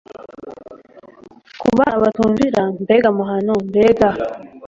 ku bana batumvira Mbega amahano mbega